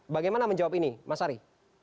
bagaimana menjawab ini mas ari